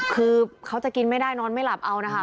คือเขาจะกินไม่ได้นอนไม่หลับเอานะคะ